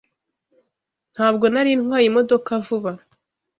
Ntabwo nari ntwaye imodoka vuba.